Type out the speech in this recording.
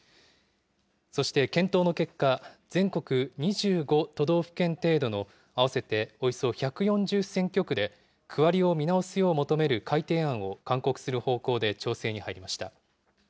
そして検討の結果、全国２５都道府県程度の、合わせておよそ１４０選挙区で、区割りを見直すよう求める改定案を勧告する方向で調整に入りました。